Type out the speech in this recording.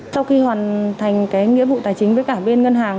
sau khi hoàn thành cái nghĩa vụ tài chính với cả bên ngân hàng